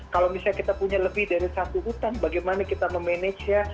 kalau misalnya kita punya lebih dari satu hutan bagaimana kita memanage ya